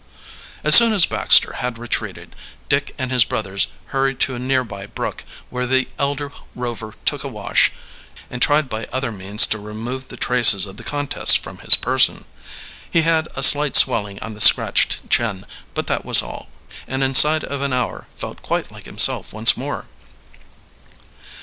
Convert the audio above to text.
As soon as Baxter had retreated, Dick and his brothers hurried to a near by brook, where the elder Rover took a wash, and tried by other means to remove the traces of the contest from his person. He had a slight swelling on the scratched chin, but that was all, and inside of an hour felt quite like himself once more.